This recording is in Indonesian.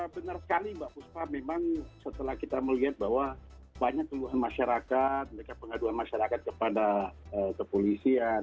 benar sekali mbak fuspa memang setelah kita melihat bahwa banyak pengaduan masyarakat kepada kepolisian